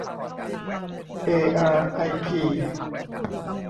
เออาร์ไอพี